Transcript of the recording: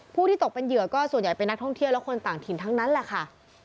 ผู้ที่ตกเป็นเหยื่อก็ส่วนใหญ่เป็นนักท่องเที่ยวและคนต่างถิ่นทั้งนั้นแหละค่ะ